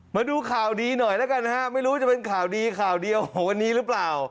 มาดูข่าวดีหน่อยแล้วกันนะฮะไม่รู้จะเป็นข่าวดีข่าวเดียววันนี้หรือเปล่า